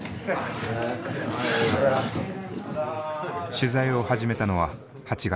取材を始めたのは８月。